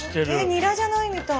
ニラじゃないみたい。